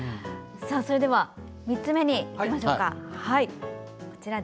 それでは、３つ目にいきましょう。